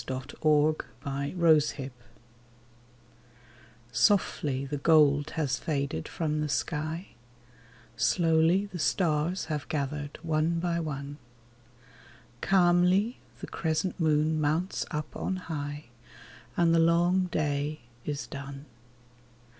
WITHOUT AND WITHIN Softly the gold has faded from the sky, Slowly the stars have gathered one by one. Calmly the crescent moon mounts up on high, And the long day is done.